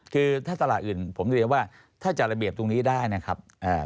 คือถ้าตลาดอื่นผมเรียนว่าถ้าจัดระเบียบตรงนี้ได้นะครับ